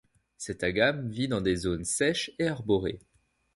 Cet agame vit dans des zones sèches et arborées.